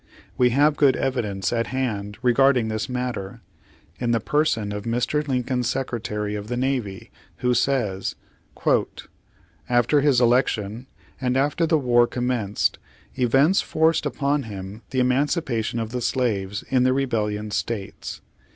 We have good evidence at hand regarding this matter, in the person of Mr. Lincoln's Secretary of the Navy, who says : "After his election, and after the war commenced, events forced upon him the emancipation of the slaves in the rebellion states.